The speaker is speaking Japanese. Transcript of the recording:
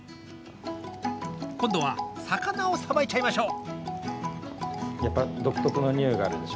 今度は魚をさばいちゃいましょう。